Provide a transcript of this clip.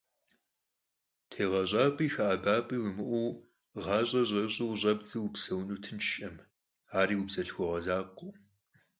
ТегъэщӀапӀи хэӀэбапӀи уимыӀэу, гъащӀэр щӀэрыщӀэу къыщӀэбдзэу упсэуну тыншкъым, ари убзылъхугъэ закъуэу.